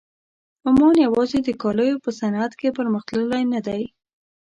عمان یوازې د کالیو په صنعت کې پرمخ تللی نه دی.